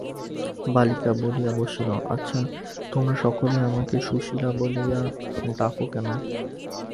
বালিকা বলিয়া বসিল, আচ্ছা, তোমরা সকলেই আমাকে সুশীলা বলিয়া ডাক কেন?